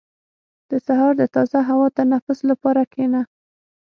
• د سهار د تازه هوا تنفس لپاره کښېنه.